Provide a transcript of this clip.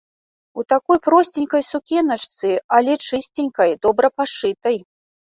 У такой просценькай сукеначцы, але чысценькай, добра пашытай.